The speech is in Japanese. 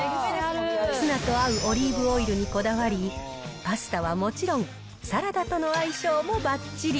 ツナと合うオリーブオイルにこだわり、パスタはもちろん、サラダとの相性もばっちり。